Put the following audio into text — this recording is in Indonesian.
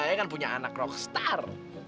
saya kan punya anak rockstar